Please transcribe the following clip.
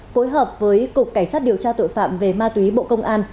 phối hợp với cục cảnh sát điều tra tội phạm về ma túy bộ công an